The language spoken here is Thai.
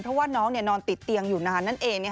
เพราะว่าน้องนอนติดเตียงอยู่นานนั่นเอง